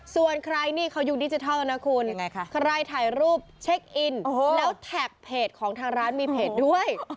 ส่วนใครนี่เขายุคดิจิทัลนะคุณใครถ่ายรูปเช็คอินแล้วแท็กเพจของทางร้านมีเพจด้วย